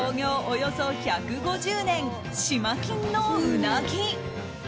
およそ１５０年志満金のうなぎ。